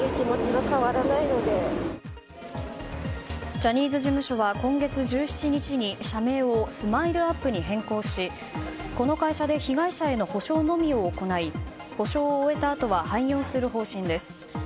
ジャニーズ事務所は今月１７日に社名をＳＭＩＬＥ‐ＵＰ．に変更しこの会社で被害者への補償のみを行い補償を終えたあとは廃業する方針です。